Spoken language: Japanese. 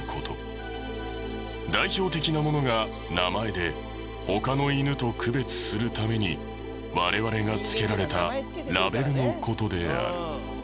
代表的なものが名前で他の犬と区別するために我々が付けられたラベルの事である。